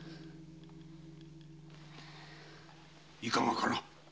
いかがかな？